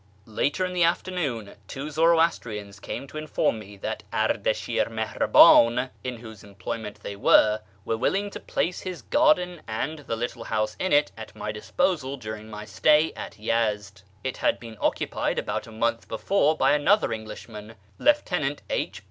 Later in the afternoon, two Zoroastrians came to inform me that Ardashi'r Mihraban, in whose employment they were, was willing to place his garden and the little house in it at my disposal during my stay at Yezd. It had been occupied about a month before by another Englishman, Lieutenant H.